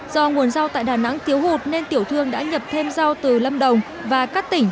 do nguồn rau tại đà nẵng thiếu hụt nên tiểu thương đã nhập thêm rau từ lâm đồng và các tỉnh